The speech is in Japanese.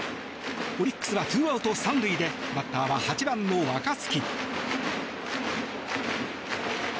オリックスは２アウト３塁でバッターは８番の若月。